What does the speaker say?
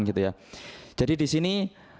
gitu ya jadi disini